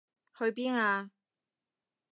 去邊啊？